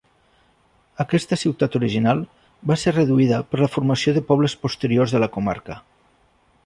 Aquesta ciutat original va ser reduïda per la formació de pobles posteriors de la comarca.